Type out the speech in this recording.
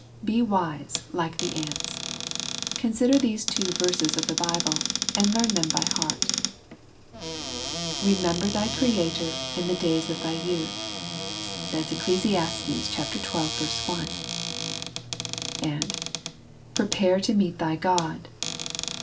Be wise, like the ants. Consider these two verses of the Bible, and learn them by heart. "Remember thy Creator in the days of thy youth." (Eccles. xii. i.) " Prepare to meet thy God."